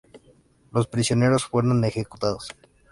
Los prisioneros fueron ejecutados.